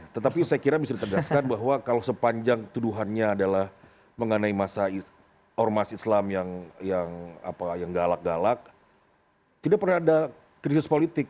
tetapi saya kira bisa ditegaskan bahwa kalau sepanjang tuduhannya adalah mengenai masa ormas islam yang galak galak tidak pernah ada krisis politik